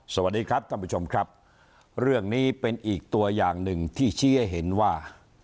สวัสดีครับท่านผู้ชมครับเรื่องนี้เป็นอีกตัวอย่างหนึ่งที่ชี้ให้เห็นว่า